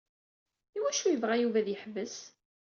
I wacu i yebɣa Yuba ad yeḥbes?